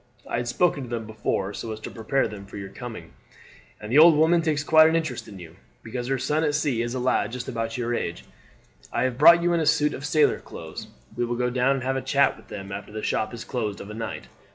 I had spoken to them before so as to prepare them for your coming, and the old woman takes quite an interest in you, because her son at sea is a lad just about your age. I have brought you in a suit of sailor clothes; we will go down and have a chat with them after the shop is closed of a night.